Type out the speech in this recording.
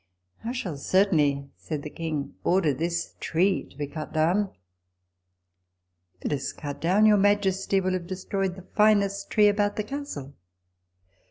" I shall certainly," said the King, " order this tree to be cut down." "If it is cut down, your majesty will have destroyed the finest tree about the Castle."